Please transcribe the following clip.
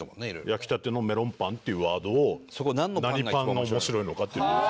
「焼きたてのメロンパン」っていうワードを何パンが面白いのかっていうのを。